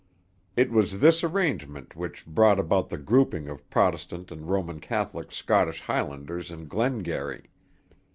It was this arrangement which brought about the grouping of Protestant and Roman Catholic Scottish Highlanders in Glengarry.